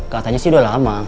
katanya sih udah lama